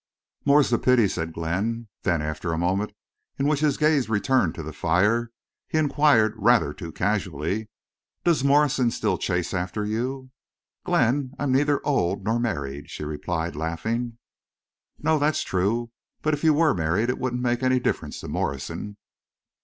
"More's the pity," said Glenn. Then after a moment, in which his gaze returned to the fire, he inquired rather too casually, "Does Morrison still chase after you?" "Glenn, I'm neither old—nor married," she replied, laughing. "No, that's true. But if you were married it wouldn't make any difference to Morrison."